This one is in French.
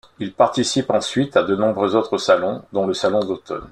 Il participe ensuite à de nombreux autres salons, dont le Salon d'automne.